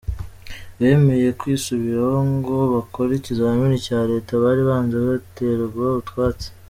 Bemeye kwisubiraho ngo bakore ikizamini cya Leta bari banze baterwa utwatsi